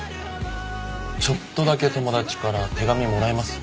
ちょっとだけ友達から手紙もらいます？